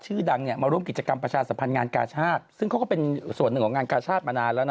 ชื่อดังเนี่ยมาร่วมกิจกรรมประชาชนสมันการกระชาติ